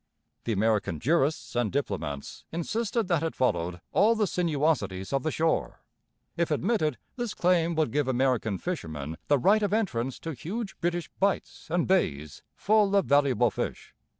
The American jurists and diplomats insisted that it followed all the sinuosities of the shore. If admitted, this claim would give American fishermen the right of entrance to huge British bights and bays full of valuable fish.